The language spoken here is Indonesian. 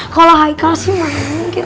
kalau heikal sih mana mungkin